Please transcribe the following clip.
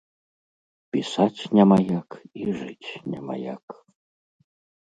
Пісаць няма як і жыць няма як.